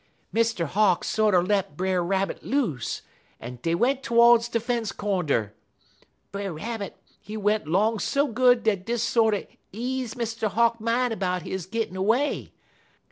"Mr. Hawk sorter let Brer Rabbit loose, en dey went todes de fence cornder. Brer Rabbit, he went 'long so good dat dis sorter ease Mr. Hawk min' 'bout he gittin' 'way.